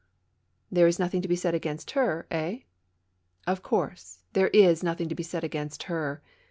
" There is nothing to be said against her, eh ?"" Of course, there is nothing to be said against her."